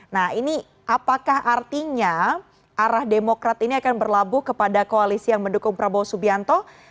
nah ini apakah artinya arah demokrat ini akan berlabuh kepada koalisi yang mendukung prabowo subianto